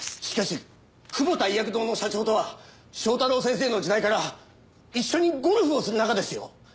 しかし窪田医薬堂の社長とは正太郎先生の時代から一緒にゴルフをする仲ですよ。